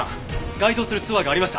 該当するツアーがありました！